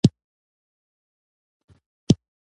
پلار د مشورې غوره سرچینه ده.